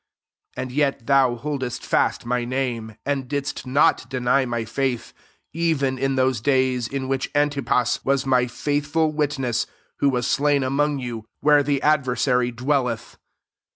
* and yet thou holdest fast my name, and didst not deny my faith, [even] in those days [in] which Antipa» was my faithful witness, who was slain among yoti, were the ad versary dwelleth.